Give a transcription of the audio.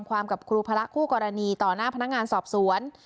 ยอมความกับครูภาระคู่กรณีต่อหน้าพนักงานสอบสวน